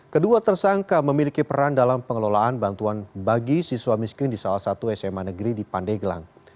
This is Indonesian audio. kedua tersangka memiliki peran dalam pengelolaan bantuan bagi siswa miskin di salah satu sma negeri di pandeglang